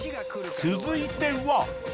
続いては。